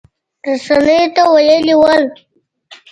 رسنیو ته ویلي ول